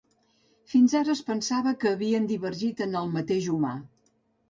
Fins ara es pensava que havien divergit en el mateix humà.